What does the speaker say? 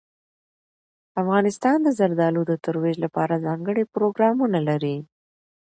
افغانستان د زردالو د ترویج لپاره ځانګړي پروګرامونه لري.